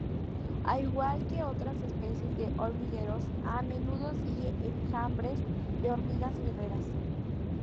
Al igual que otras especies de hormigueros, a menudo sigue enjambres de hormigas guerreras.